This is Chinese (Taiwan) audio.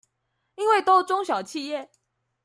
因為都中小企業？